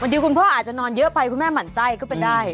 อย่างนี้คุณพ่ออาจจะนอนเยอะไปมันไส้ก็เป็นได้